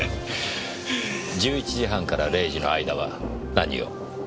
１１時半から０時の間は何を？